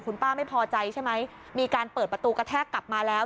คุณป้าไม่พอใจใช่ไหมมีการเปิดประตูกระแทกกลับมาแล้ว